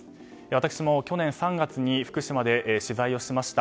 私も去年３月に福島で取材をしました。